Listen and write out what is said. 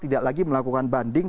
tidak lagi melakukan banding